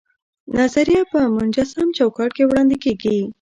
نظریه په منسجم چوکاټ کې وړاندې کیږي.